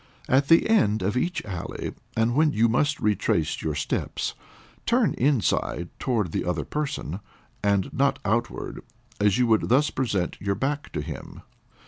At the end of each alley, and when you must retrace your steps, turn inside towards the other person, and not outward, as you would thus present your back to him.